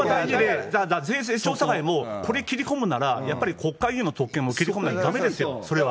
税制調査会もこれきりこむなら、やっぱり国会議員の特権も切り込まなきゃだめですよ、それは。